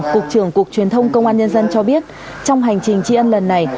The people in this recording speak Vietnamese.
cục trưởng cục truyền thông công an nhân dân cho biết trong hành trình tri ân lần này